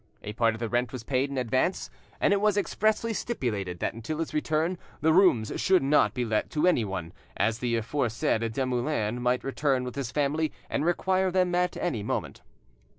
A part of the rent was paid in advance, and it was expressly stipulated that until his return the rooms should not be let to anyone, as the aforesaid Dumoulin might return with his family and require them at any moment.